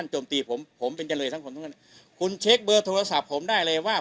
โจมตีผมผมเป็นเจรยสังคมทุกคนคุณเช็คเบอร์โทรศัพท์ผมได้เลยว่า